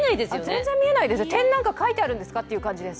全然見えないです、点なんかかいてあるんですかという感じ。